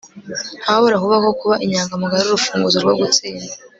ntawabura kuvuga ko kuba inyangamugayo ari urufunguzo rwo gutsinda